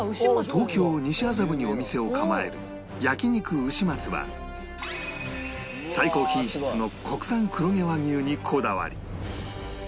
東京西麻布にお店を構える焼肉うし松は最高品質の国産黒毛和牛にこだわり